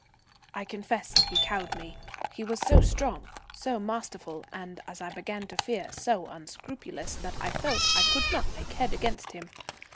I confess he cowed me; he was so strong, so masterful, and, as I began to fear, so unscrupulous, that I felt I could not make head against him.